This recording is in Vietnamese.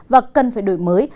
và cần phải đổi mới